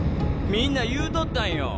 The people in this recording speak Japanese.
みんな言うとったんよ。